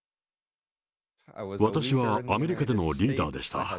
私はアメリカでのリーダーでした。